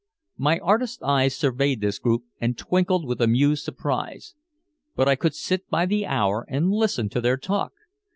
My artist's eyes surveyed this group and twinkled with amused surprise. But I could sit by the hour and listen to their talk.